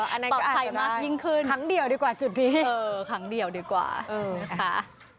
อันนั้นอาจจะได้ครั้งเดียวดีกว่าจุดนี้เออครั้งเดียวดีกว่านะคะ